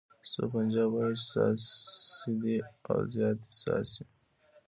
خو پنجاب وایي چې څاڅي دې او زیاته دې څاڅي.